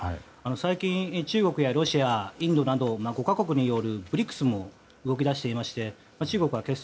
最近、中国やロシアインドなどのＢＲＩＣＳも動き出していまして。